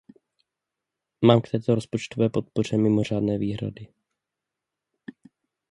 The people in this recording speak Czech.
Mám k této rozpočtové podpoře mimořádné výhrady.